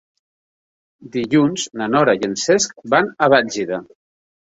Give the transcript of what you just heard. Dilluns na Nora i en Cesc van a Bèlgida.